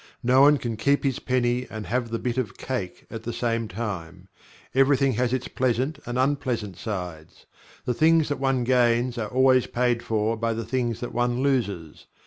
No one can "keep his penny and have the bit of cake" at the same time Everything has its pleasant and unpleasant sides. The things that one gains are always paid for by the things that one loses.